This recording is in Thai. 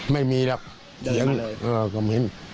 ไม่มีหรอกเสียงก็เหม็น